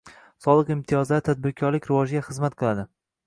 Soliq imtiyozlari tadbirkorlik rivojiga xizmat qilading